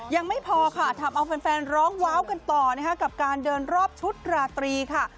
ยังไม่พอค่ะทำเอาแฟนร้องว้าวกันต่อนะคะกับการเดินรอบชุดราตรีค่ะ